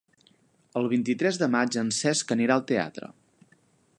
El vint-i-tres de maig en Cesc anirà al teatre.